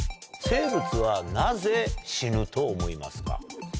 「生物はなぜ死ぬと思いますか？」。